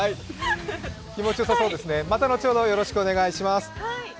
気持ちよさそうですね、また後ほど、よろしくお願いします。